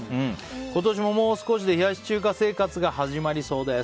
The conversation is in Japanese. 今年も、もう少しで冷やし中華生活が始まりそうです。